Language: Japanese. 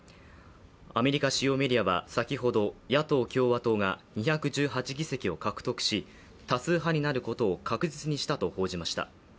アメリカ主要メディアは先ほど、野党・共和党が２１８議席を獲得し、多数派になることを確実にしたと報じました。